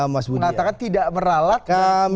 mengatakan tidak meralat